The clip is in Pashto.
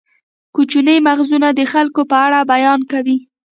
کوچني مغزونه د خلکو په اړه بیان کوي.